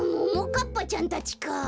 ももかっぱちゃんたちか。